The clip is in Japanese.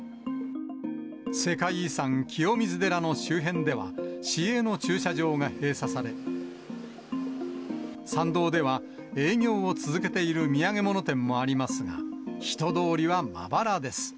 世界遺産、清水寺の周辺では、市営の駐車場が閉鎖され、参道では営業を続けている土産物店もありますが、人通りはまばらです。